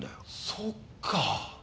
そっか。